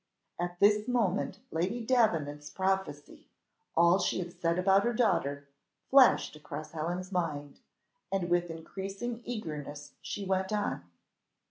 At this moment Lady Davenant's prophecy, all she had said about her daughter, flashed across Helen's mind, and with increasing eagerness she went on.